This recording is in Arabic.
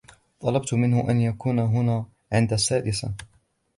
طلبت منه أن يكون هنا عند السادسة.